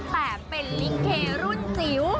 แต่เป็นลิงเครุ่นจิ๋ว